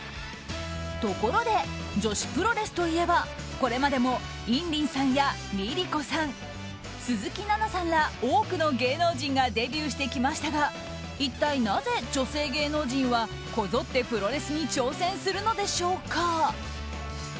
ところで、女子プロレスといえばこれまでもインリンさんやＬｉＬｉＣｏさん鈴木奈々さんら、多くの芸能人がデビューしてきましたが一体なぜ、女性芸能人はこぞってプロレスに挑戦するのでしょうか。